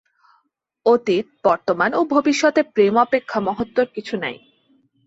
অতীত, বর্তমান ও ভবিষ্যতে প্রেম অপেক্ষা মহত্তর কিছু নাই।